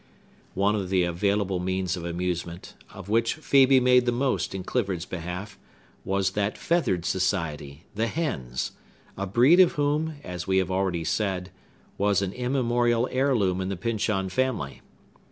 One of the available means of amusement, of which Phœbe made the most in Clifford's behalf, was that feathered society, the hens, a breed of whom, as we have already said, was an immemorial heirloom in the Pyncheon family.